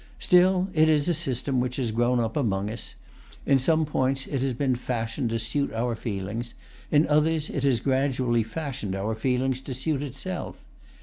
Still, it is a system which has grown up among us. In some points, it has been[Pg 169] fashioned to suit our feelings; in others, it has gradually fashioned our feelings to suit itself.